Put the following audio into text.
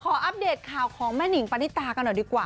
อัปเดตข่าวของแม่นิงปณิตากันหน่อยดีกว่า